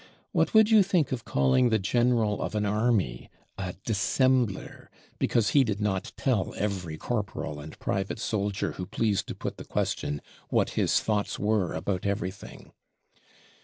What would you think of calling the general of an army a dissembler because he did not tell every corporal and private soldier who pleased to put the question, what his thoughts were about everything?